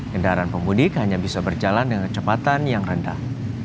kendaraan pemudik hanya bisa berjalan dengan cepatan yang rendah